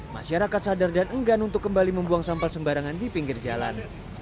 masyarakat sadar dan enggan untuk kembali membuang sampah sembarangan di pinggir jalan